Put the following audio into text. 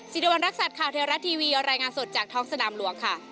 สิริวัณรักษัตริย์ข่าวเทวรัฐทีวีรายงานสดจากท้องสนามหลวงค่ะ